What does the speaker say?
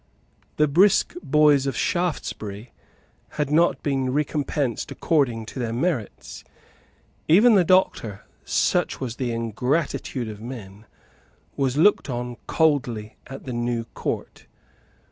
The brisk boys of Shaftesbury had not been recompensed according to their merits. Even the Doctor, such was the ingratitude of men, was looked on coldly at the new Court.